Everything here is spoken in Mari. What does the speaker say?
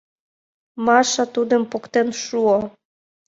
— Маша тудым поктен шуо.